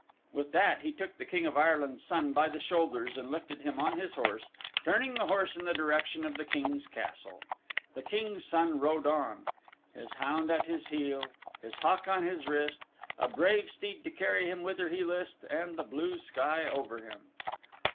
With that he took the King of Ireland's Son by the shoulders and lifted him on his horse, turning the horse in the direction of the King's Castle. The King's Son rode on His hound at his heel, His hawk on his wrist; A brave steed to carry him whither he list, And the blue sky over him.